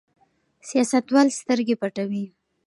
سیاستوال سترګې پټوي.